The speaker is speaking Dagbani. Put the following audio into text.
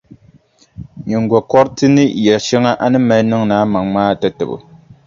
Nyiŋgokɔriti ni yɛʼ shɛŋa a ni mali niŋdi a maŋa maa tatabo.